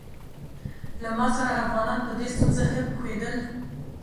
له ما سره افغانان په دې ستونزه ښه پوهېدل.